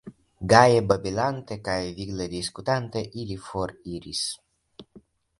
Gaje babilante kaj vigle diskutante, ili foriris.